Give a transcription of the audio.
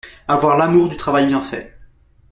avoir l'amour du travail bien fait